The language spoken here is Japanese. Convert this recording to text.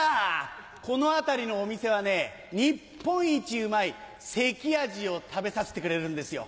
この辺りのお店はね日本一うまい関アジを食べさせてくれるんですよ。